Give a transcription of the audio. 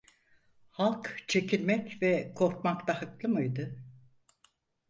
Halk çekinmek ve korkmakta haklı mıydı?